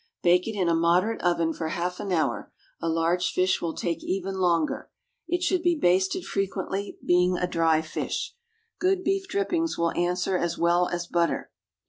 Bake it in a moderate oven for half an hour a large fish will take even longer. It should be basted frequently, being a dry fish. Good beef dripping will answer as well as butter.